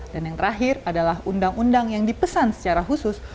dan yang terakhir adalah undang undang yang dipesan secara khusus